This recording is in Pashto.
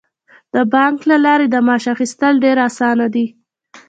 د بانک له لارې د معاش اخیستل ډیر اسانه دي.